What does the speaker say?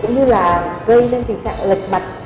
cũng như là gây nên tình trạng lật mặt